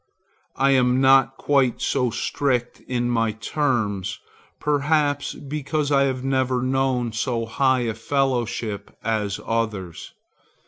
I am not quite so strict in my terms, perhaps because I have never known so high a fellowship as others.